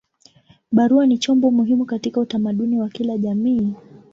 Barua ni chombo muhimu katika utamaduni wa kila jamii.